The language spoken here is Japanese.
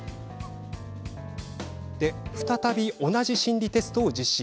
再び、同じ心理テストを実施。